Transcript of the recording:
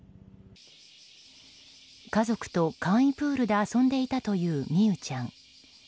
家族と簡易プールで遊んでいたという美佑ちゃん。